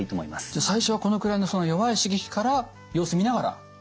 じゃあ最初はこのくらいの弱い刺激から様子見ながら。